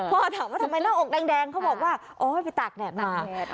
พอถามว่าทำไมหน้าอกแดงเขาบอกว่าโอ๊ยไปตากแดดมา